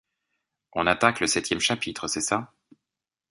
On attaque le septième chapitre, c’est ça ?